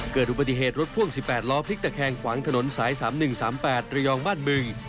เกิดอุบัติเหตุรถพ่วง๑๘ล้อพลิกตะแคงขวางถนนสาย๓๑๓๘ระยองบ้านบึง